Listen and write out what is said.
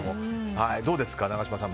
どうですか、永島さん。